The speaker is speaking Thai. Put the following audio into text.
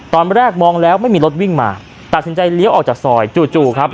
ตอนแรกมองแล้วไม่มีรถวิ่งมาตัดสินใจเลี้ยวออกจากซอยจู่จู่ครับ